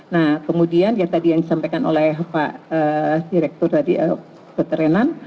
nah kemudian tadi yang disampaikan oleh pak direktur tadi dokter renan